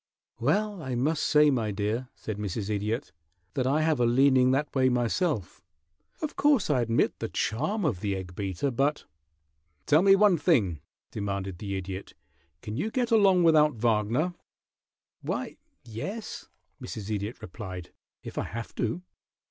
"Well, I must say, my dear," said Mrs. Idiot, "that I have a leaning that way myself. Of course, I admit the charm of the egg beater, but " "Tell me one thing," demanded the Idiot. "Can you get along without Wagner?" "Why, yes," Mrs. Idiot replied, "if I have to."